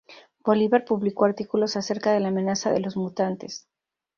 Bolivar publicó artículos acerca de la amenaza de los mutantes.